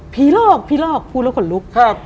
ผีรอกผีรอกกูแบบก่อนรุก